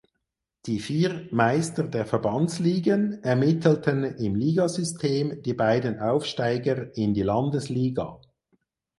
Die vier Meister der Verbandsligen ermittelten im Ligasystem die beiden Aufsteiger in die Landesliga.